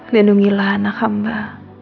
denungilah anak hamba